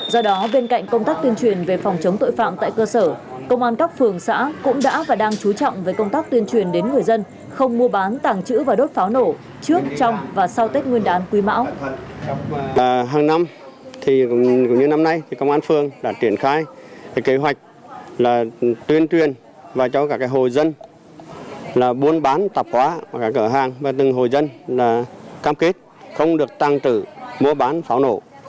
do đó bên cạnh công tác tuyên truyền về phòng chống tội phạm tại cơ sở công an các phường xã cũng đã và đang chú trọng về công tác tuyên truyền đến người dân không mua bán tàng trữ và đốt pháo nổ trước trong và sau tết nguyên đán quý mão